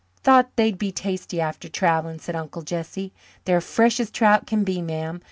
"Thought they'd be tasty after travelling," said Uncle Jesse. "They're fresh as trout can be, ma'am.